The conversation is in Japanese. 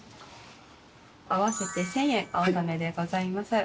合わせて１，０００円お納めでございます。